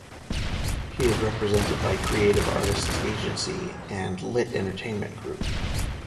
He is represented by Creative Artists Agency and Lit Entertainment Group.